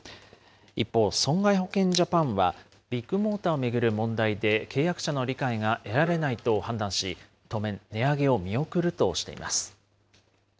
一方、損害保険ジャパンは、ビッグモーターを巡る問題で契約者の理解が得られないと判断し、当面、値上げを見送るとしています。